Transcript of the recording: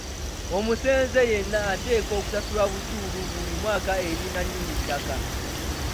Omusenze yenna ateekwa okusasula busuulu buli mwaka eri nnannyini ttaka.